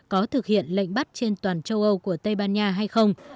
có thực hiện lệnh bắt trên toàn châu âu của tây ban nha hay không